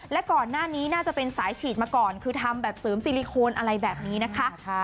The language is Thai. และก่อนหน้านี้น่าจะเป็นสายฉีดมาก่อนคือทำแบบเสริมซิลิโคนอะไรแบบนี้นะคะ